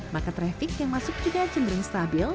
maka traffic yang masuk juga cenderung stabil